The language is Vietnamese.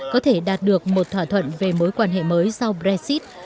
có thể đạt được một thỏa thuận về mối quan hệ mới sau brexit